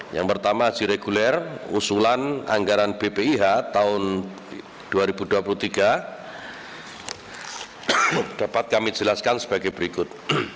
yang pertama haji reguler usulan anggaran bpih tahun dua ribu dua puluh tiga dapat kami jelaskan sebagai berikut